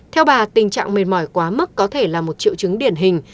theo bà tình trạng mệt mỏi quá mức có thể là một triệu chứng điển hình